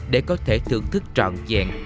để có thể thưởng thức trọn dẹn